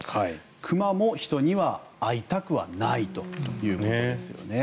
熊も人には会いたくはないということですよね。